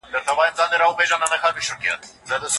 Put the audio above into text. حکومت باید د خلکو لپاره د کار زمینه برابره کړي.